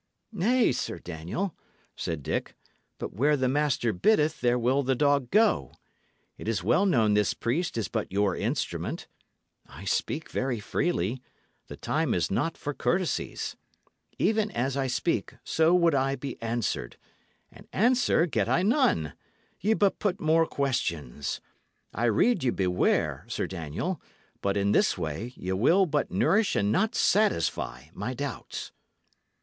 "Nay, Sir Daniel," said Dick, "but where the master biddeth there will the dog go. It is well known this priest is but your instrument. I speak very freely; the time is not for courtesies. Even as I speak, so would I be answered. And answer get I none! Ye but put more questions. I rede ye be ware, Sir Daniel; for in this way ye will but nourish and not satisfy my doubts."